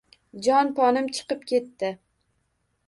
Jon-ponim chiqib ketdi